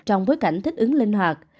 trong bối cảnh thích ứng linh hoạt